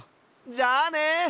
じゃあね！